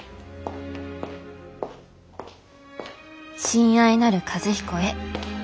「親愛なる和彦へ。